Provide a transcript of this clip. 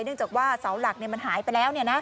เนื่องจากว่าเสาหลักมันหายไปแล้ว